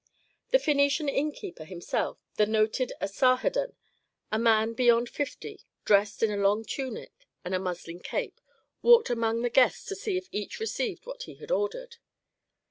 The Phœnician innkeeper himself, the noted Asarhadon, a man beyond fifty, dressed in a long tunic and a muslin cape, walked among the guests to see if each received what he had ordered.